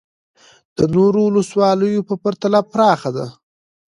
د نورو ولسوالیو په پرتله پراخه ده